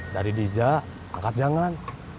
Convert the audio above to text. dari dija angkat jangan